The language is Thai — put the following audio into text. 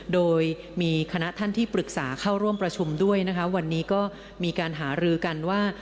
โดยมีคณะท่านที่ปรึกษาเข้าร่วมประชุมด้วยนะคะวันนี้ก็มีการหารือกันว่า